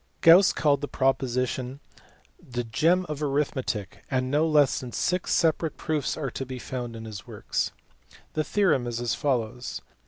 Gauss called the proposition " the gem of arithmetic," and no less than six separate proofs are to be found in his works. The theorem is as follows.